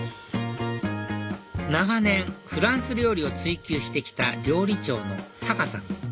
長年フランス料理を追求してきた料理長の坂さん